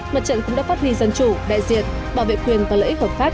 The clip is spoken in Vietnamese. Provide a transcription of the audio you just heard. mặt trận cũng đã phát huy dân chủ đại diện bảo vệ quyền và lợi ích hợp pháp